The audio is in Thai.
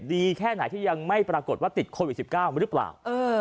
ดีแค่ไหนที่ยังไม่ปรากฏว่าติดโควิดสิบเก้าหรือเปล่าเออ